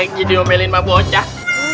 kita jadi memelin pak bocah